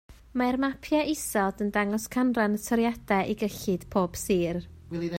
Mae'r mapiau isod yn dangos canran y toriadau i gyllid pob sir